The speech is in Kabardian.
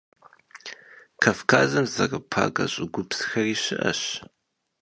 Kavkazım zerıpage ş'ıgupsxeri şı'eş.